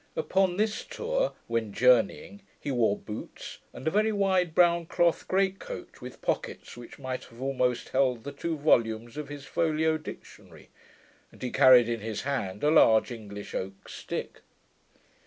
Upon this tour, when journeying, he wore boots, and a very wide brown cloth great coat, with pockets which might have almost held the two volumes of his folio dictionary; and he carried in his hand a large English oak stick.